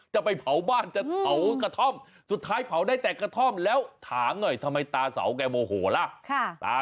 จะไปเผาบ้านจะเผากระท่อมสุดท้ายเผาได้แต่กระท่อมแล้วถามหน่อยทำไมตาเสาแกโมโหล่ะ